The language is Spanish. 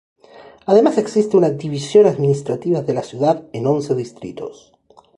Además existe una división administrativa de la ciudad en once distritos.